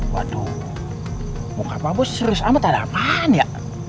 waduh muka bagus serius amat ada apaan ya